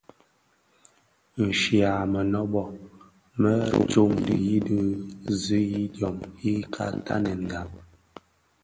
Nshya mënöbö më tsô dhiyis di zi idyom ika tanèngabi.